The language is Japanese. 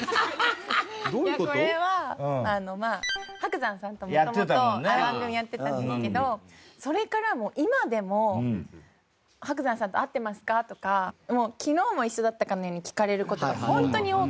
これは伯山さんともともと番組やってたんですけどそれからも今でも「伯山さんと会ってますか？」とか昨日も一緒だったかのように聞かれる事が本当に多くて。